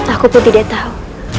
aku pun tidak tahu